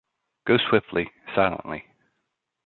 Go swiftly, silently.